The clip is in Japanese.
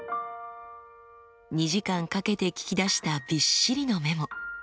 ２時間かけて聞き出したびっしりのメモ。